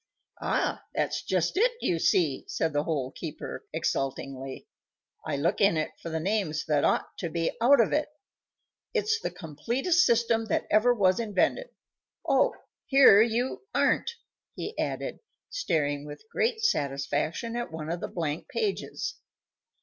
"Ah! that's just it, you see," said the Hole keeper, exultingly; "I look in it for the names that ought to be out of it. It's the completest system that ever was invented. Oh! here you aren't!" he added, staring with great satisfaction at one of the blank pages.